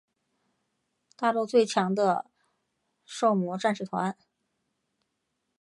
大陆最强的狩魔战士团。